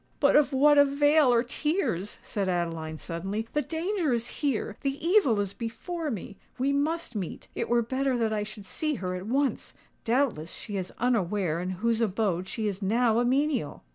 "But of what avail are tears?" said Adeline, suddenly. "The danger is here—the evil is before me. We must meet:—it were better that I should see her at once! Doubtless she is unaware in whose abode she is now a menial!"